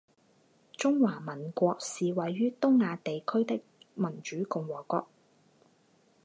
中华民国是位于东亚地区的民主共和国